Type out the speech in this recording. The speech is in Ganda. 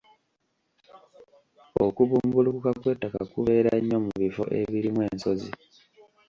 Okubumbulukuka kw'ettaka kubeera nnyo mu bifo ebirimu ensozi.